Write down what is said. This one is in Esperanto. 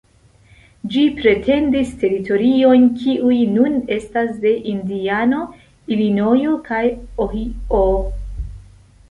Ĝi pretendis teritoriojn, kiuj nun estas de Indiano, Ilinojo kaj Ohio.